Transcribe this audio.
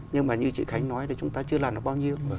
nhưng mà như chị khánh nói thì chúng ta chưa làm được bao nhiêu